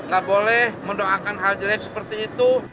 gak boleh mendoakan hal jelek seperti itu